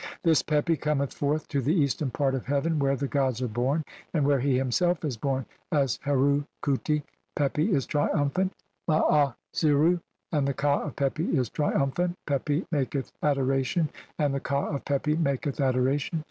(179) "This Pepi cometh forth to the eastern part "of heaven where the gods are born, and where he "himself is born as Heru khuti. Pepi is triumphant "(maa %eru) and the ka of Pepi is triumphant ; Pepi "maketh adoration and the ka of Pepi maketh adora tion.